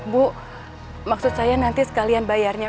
bu maksud saya nanti sekalian bayarnya